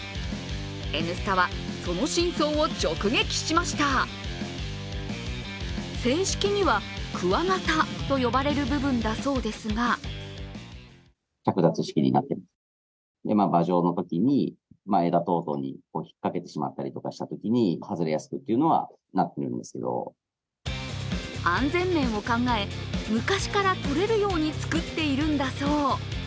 「Ｎスタ」はその真相を直撃しました正式にはくわがたと呼ばれる部分だそうですが安全面を考え、昔からとれるように作っているんだそう。